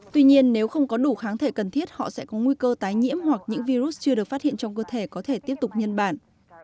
tuy nhiên nếu không có đủ kháng thể cần thiết họ sẽ có nguy cơ tái nhiễm hoặc những virus chưa được phát hiện trong cơ thể có thể tiếp tục nhân bản